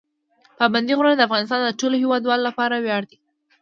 پابندي غرونه د افغانستان د ټولو هیوادوالو لپاره ویاړ دی.